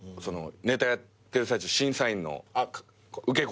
ネタやってる最中審査員の受け答えも。